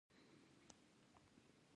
نیمروز د دښتې ګرمه سیمه ده